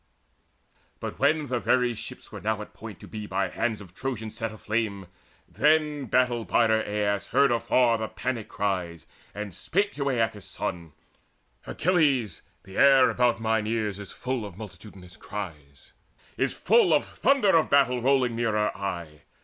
But when the very ships were now at point To be by hands of Trojans set aflame, Then battle bider Aias heard afar The panic cries, and spake to Aeacus' son: "Achilles, all the air about mine ears Is full of multitudinous eries, is full Of thunder of battle rolling nearer aye.